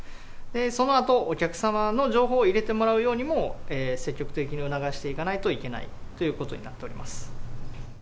そのあと、お客様の情報を入れてもらうようにも、積極的に促していかないといけないということになっております。